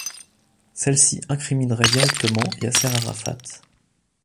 Celles-ci incrimineraient directement Yasser Arafat.